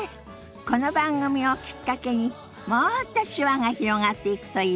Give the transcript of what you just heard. この番組をきっかけにもっと手話が広がっていくといいわね。